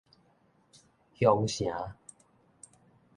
薌城